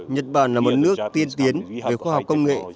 nhật bản là một nước tiên tiến về khoa học công nghệ